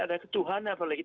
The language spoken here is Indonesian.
ada ketuhan apalagi